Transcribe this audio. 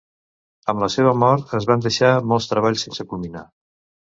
Amb la seva mort, es van deixar molts treballs sense culminar.